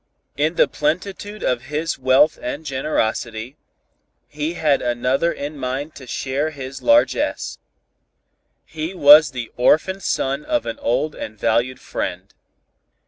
In the plenitude of his wealth and generosity, he had another in mind to share his largess. He was the orphaned son of an old and valued friend.